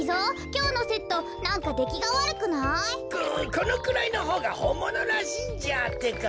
このくらいのほうがほんものらしいんじゃってか。